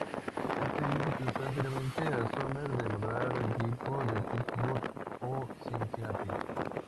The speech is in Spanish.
Esto hizo pensar seriamente a Somers de mudar al equipo a Pittsburgh o Cincinnati.